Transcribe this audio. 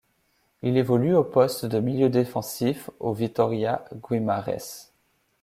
Il évolue au poste de milieu défensif au Vitória Guimarães.